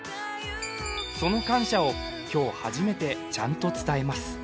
その感謝を今日初めてちゃんと伝えます